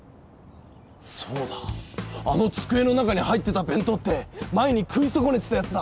そうだあの机の中に入ってた弁当って前に食い損ねてたやつだ！